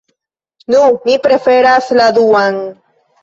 Nu, mi preferas la duan.